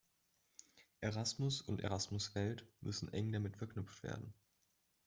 Erasmus und Erasmus Welt müssen eng damit verknüpft werden.